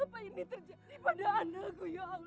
apa ini terjadi pada anakku ya allah